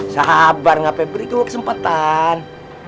sabar ngapain beri gue kesempatan